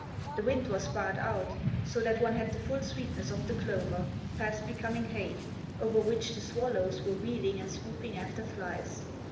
The wind was barred out, so that one had the full sweetness of the clover, fast becoming hay, over which the swallows were wheeling and swooping after flies.